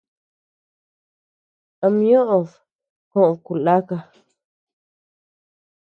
Am ñoʼod kod ku laka.